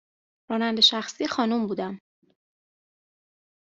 راننده شخصی خانم بودم